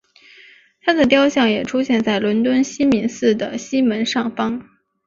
她的雕像也出现在伦敦西敏寺的西门上方。